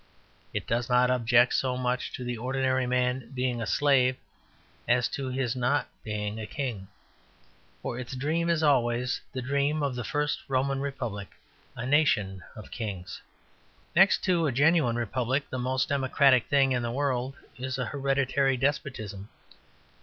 It does not object so much to the ordinary man being a slave as to his not being a king, for its dream is always the dream of the first Roman republic, a nation of kings. Next to a genuine republic, the most democratic thing in the world is a hereditary despotism.